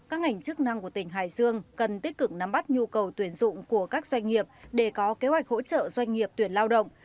các ngành chức năng của tỉnh hải dương cần tích cực nắm bắt nhu cầu tuyển dụng của các doanh nghiệp để có kế hoạch hỗ trợ doanh nghiệp tuyển lao động